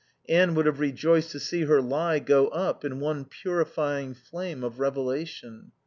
Anne would have rejoiced to see her lie go up in one purifying flame of revelation.